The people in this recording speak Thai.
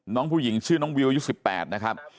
น้องผู้หญิงชื่อน้องวิวอายุ๑๘นะครับ